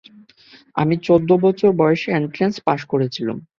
আমি চোদ্দ বছর বয়সে এনট্রেন্স পাস করেছিলুম।